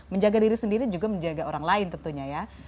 menjaga diri sendiri juga menjaga orang lain tentunya ya